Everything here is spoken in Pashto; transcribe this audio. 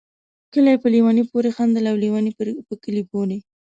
کلي په ليوني پوري خندل ، او ليوني په کلي پوري